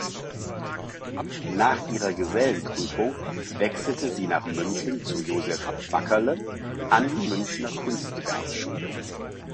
Nach ihrer Gesellenprüfung wechselte sie nach München zu Joseph Wackerle an die Münchener Kunstgewerbeschule.